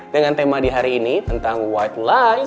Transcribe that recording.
dengan tema di hari ini tentang white life